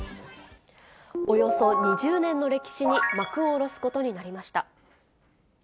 およそ２０年の歴史に幕を下ろすことになりました。